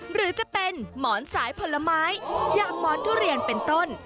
หรือจะเป็นหมอนสายผลไม้อย่างหมอนทุเรียนเป็นต้น